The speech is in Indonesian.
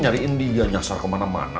nyariin dia nyasar kemana mana